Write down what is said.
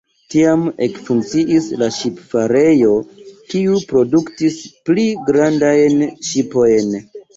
Tiam ekfunkciis la ŝipfarejo, kiu produktis pli grandajn ŝipojn.